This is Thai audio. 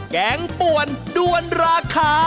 แกงป่วนด้วนราคา